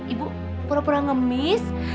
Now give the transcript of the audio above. ibu pura pura ngemis